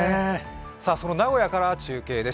その名古屋から中継です。